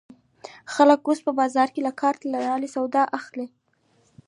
خلک اوس په بازار کې د کارت له لارې سودا اخلي.